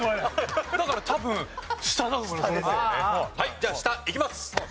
じゃあ下いきます！